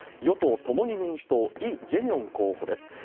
与党・共に民主党、イ・ジェミョン候補です。